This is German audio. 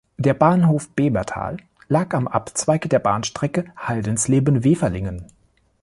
Der Bahnhof "Bebertal" lag am Abzweig der Bahnstrecke Haldensleben–Weferlingen.